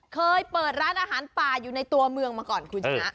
เคยเปิดร้านอาหารป่าอยู่ในตัวเมืองมาก่อนคุณชนะ